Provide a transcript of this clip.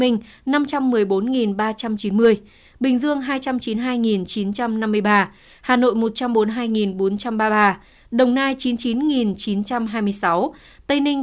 tp hcm năm trăm một mươi bốn ba trăm chín mươi bình dương hai trăm chín mươi hai chín trăm năm mươi ba hà nội một trăm bốn mươi hai bốn trăm ba mươi ba đồng nai chín mươi chín chín trăm hai mươi sáu tây ninh tám mươi tám bốn trăm sáu mươi